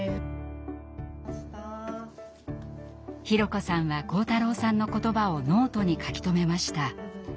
裕子さんは晃太郎さんの言葉をノートに書き留めました。